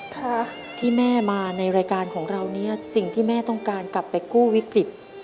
ค่ะที่แม่มาในรายการของเราเนี้ยสิ่งที่แม่ต้องการกลับไปกู้วิกฤต